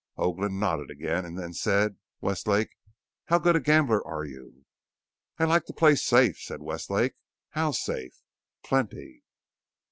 Hoagland nodded again, and then said: "Westlake, how good a gambler are you?" "I like to play safe," said Westlake. "How safe?" "Plenty."